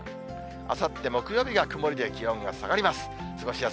あさって木曜日が曇りで、気温が下がります。